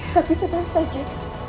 tapi tetap saja